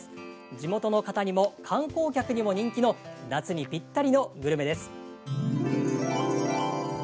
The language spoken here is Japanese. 地元の人にも観光客にも人気の夏にぴったりのグルメです。